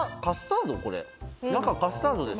中カスタードですか？